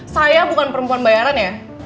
saya bukan perempuan bayaran ya